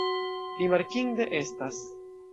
Rimarkinde estas.